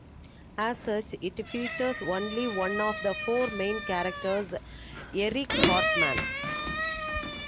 As such, it features only one of the four main characters, Eric Cartman.